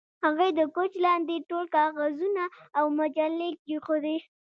هغې د کوچ لاندې ټول کاغذونه او مجلې کیښودې